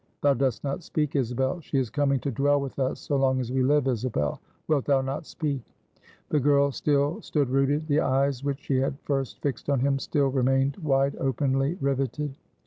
Thou dost not speak, Isabel. She is coming to dwell with us so long as we live, Isabel. Wilt thou not speak?" The girl still stood rooted; the eyes, which she had first fixed on him, still remained wide openly riveted.